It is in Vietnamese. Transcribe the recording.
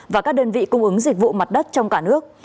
và các đơn vị cung ứng dịch vụ mặt đất trong cả nước